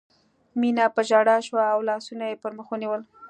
مينه په ژړا شوه او لاسونه یې پر مخ ونیول